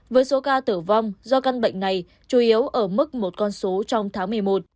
với số ca tử vong do căn bệnh này chủ yếu ở mức một con số trong tháng một mươi một